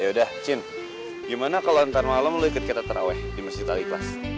yaudah cin gimana kalau nanti malam lo ikut kita terawih di masjid taliqlas